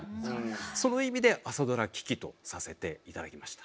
その意味で「朝ドラ危機」とさせていただきました。